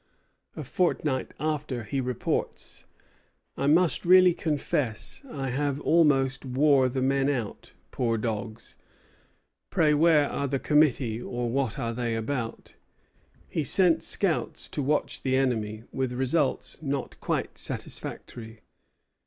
A fortnight after he reports: "I must really confess I have almost wore the men out, poor dogs. Pray where are the committee, or what are they about?" He sent scouts to watch the enemy, with results not quite satisfactory.